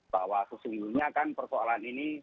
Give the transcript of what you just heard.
bahwa sesungguhnya kan persoalan ini